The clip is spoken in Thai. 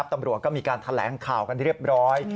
ตำรวจก็มีการแถลงข่าวกันเรียบร้อย